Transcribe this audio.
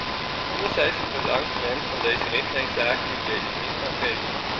Anderzijds verlangt men van de richtlijn zaken die deze niet kan geven.